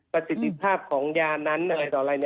ประสิทธิภาพของยานั้นอะไรต่ออะไร